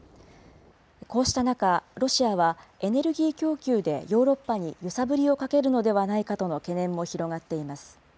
こうした中、ロシアはエネルギー供給でヨーロッパに揺さぶりをかけるのではないかとの懸念も広がっています。